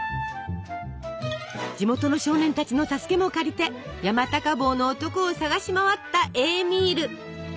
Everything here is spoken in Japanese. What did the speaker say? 地元の少年たちの助けも借りて山高帽の男を捜し回ったエーミール。